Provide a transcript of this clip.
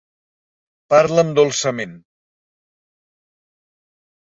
Parla'm dolçament.